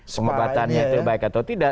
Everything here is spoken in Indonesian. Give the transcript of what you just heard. pembatannya itu baik atau tidak